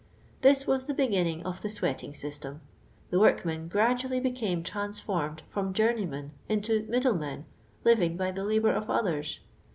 This was the beginning of the sweating system. The workmen gradually be came transformed from jounieym«.Mi into ' middle men,' liviucr by the labour of others.